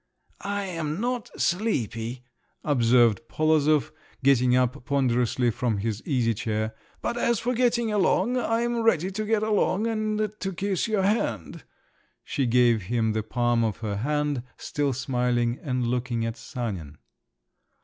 "I'm not sleepy," observed Polozov, getting up ponderously from his easy chair; "but as for getting along, I'm ready to get along and to kiss your hand." She gave him the palm of her hand, still smiling and looking at Sanin.